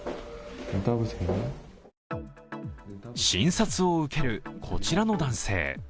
診察を受けるこちらの男性。